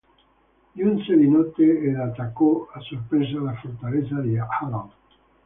Giunse di notte ed attaccò a sorpresa la fortezza di Harald.